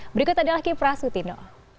berikut adalah kipra sutino